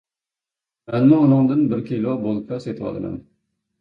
مەنمۇ ئۇنىڭدىن بىر كىلو بولكا سېتىۋالىمەن.